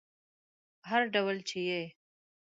هر ډول چې یې